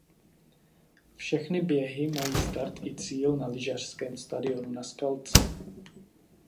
Všechny běhy mají start i cíl na lyžařském stadionu na Skalce.